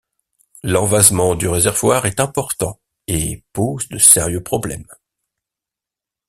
L'envasement du réservoir est important et pose de sérieux problèmes.